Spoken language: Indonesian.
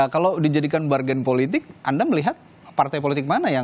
kalau dijadikan bargen politik anda melihat partai politik mana yang